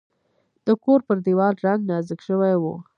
د کور پر دیوال رنګ نازک شوی و.